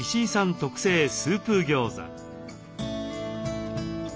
特製スープギョーザ。